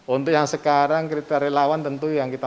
untuk yang sekarang kriteria lawan tentu yang kita